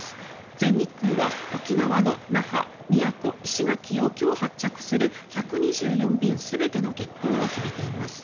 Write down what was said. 全日空は、沖縄の那覇、宮古、石垣を今日発着する１２４便全ての欠航を決めています。